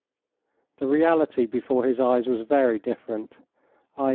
The reality before his eyes was very different, i.